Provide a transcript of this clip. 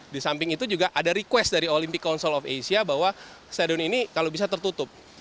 di samping itu juga ada request dari olympic council of asia bahwa stadion ini kalau bisa tertutup